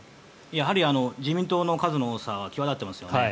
やはり自民党の数の多さは際立っていますよね。